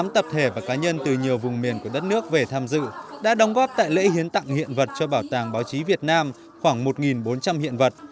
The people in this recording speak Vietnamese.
một mươi tám tập thể và cá nhân từ nhiều vùng miền của đất nước về tham dự đã đóng góp tại lễ hiến tặng hiện vật cho bảo tàng báo chí việt nam khoảng một bốn trăm linh hiện vật